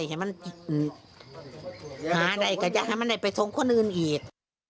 ที่เมื่อของยังม้าจะบินอยู่ที่สมชาติอีก